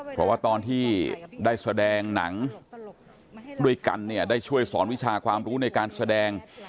เพราะว่าตอนที่ได้แสดงหนังด้วยกันเนี่ยได้ช่วยสอนวิชาความรู้ในการแสดง